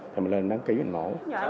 thì mình lên đăng ký mình mổ